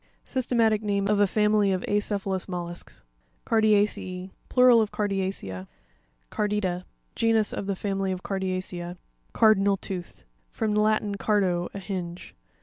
Systematic name of a family of acephalous mollusks (page 83). Carpia'cE&.—Plural of Cardiacea. Car'pita.—Genus of the family of Cardiacea. CarpviNaL (tooth).—From the Latin cardo, a hinge.